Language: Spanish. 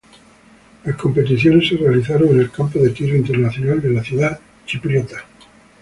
Las competiciones se realizaron en el Campo de Tiro Internacional de la ciudad chipriota.